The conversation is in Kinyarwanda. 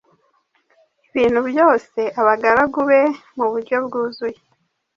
ibintu byose abagaragu be mu buryo bwuzuye.